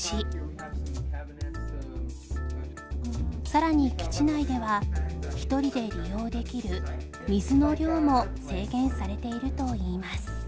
さらに基地内では１人で利用できる水の量も制限されているといいます